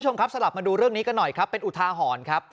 คุณผู้ชมครับสลับมาดูเรื่องนี้กันหน่อยครับเป็นอุทาหรณ์ครับ